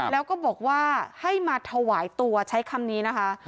แล้วก็บอกว่าให้มาถวายตัวใช้คำนี้นะคะ